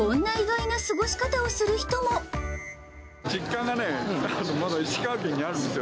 実家がね、まだ石川県にあるんですよ。